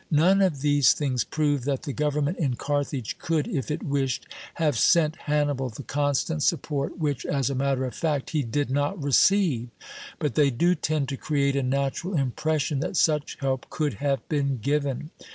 None of these things prove that the government in Carthage could, if it wished, have sent Hannibal the constant support which, as a matter of fact, he did not receive; but they do tend to create a natural impression that such help could have been given.